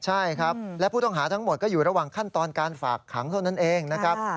ใช่ครับและผู้ต้องหาทั้งหมดก็อยู่ระหว่างขั้นตอนการฝากขังเท่านั้นเองนะครับ